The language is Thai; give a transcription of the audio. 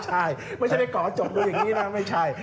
ใช่ไม่ใช่ไปเกาะจบดูอย่างนี้นะไม่ใช่